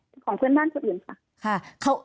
เป็นของเพื่อนบ้านคนอื่นค่ะ